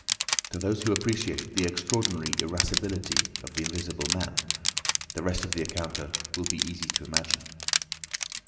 To those who appreciate the extraordinary irascibility of the Invisible Man, the rest of the encounter will be easy to imagine.